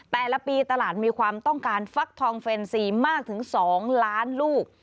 แต่ละปีตลาดมีความต้องการฟักทองเฟรนซีมากถึง๒ล้านลูก